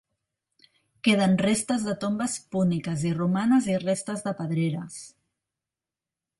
Queden restes de tombes púniques i romanes i restes de pedreres.